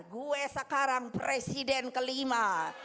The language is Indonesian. gue sekarang presiden kelima